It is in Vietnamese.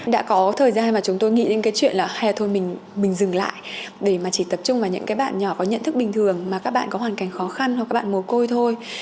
đã có thời gian mà chúng tôi nghĩ đến cái chuyện là hay là thôi mình dừng lại để mà chỉ tập trung vào những cái bạn nhỏ có nhận thức bình thường mà các bạn có hoàn cảnh khó khăn hoặc các bạn mồ côi thôi